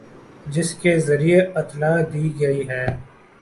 جس کے ذریعے اطلاع دی گئی ہے